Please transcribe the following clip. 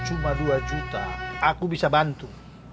tidak ada tanpa rp dua juta aku bisa bantu